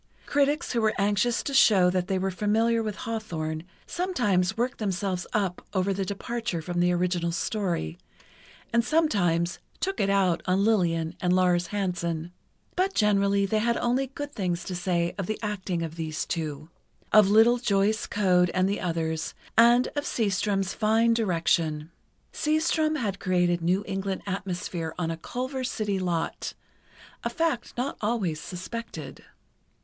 Critics who were anxious to show that they were familiar with Hawthorne, sometimes worked themselves up over the departure from the original story, and sometimes "took it out" on Lillian and Lars Hansen, but generally they had only good things to say of the acting of these two, of little Joyce Coad and the others, and of Seastrom's fine direction. Seastrom had created New England atmosphere on a Culver City lot, a fact not always suspected.